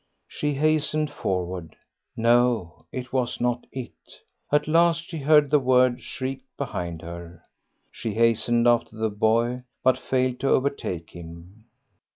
She hastened forward. No, it was not it. At last she heard the word shrieked behind her. She hastened after the boy, but failed to overtake him.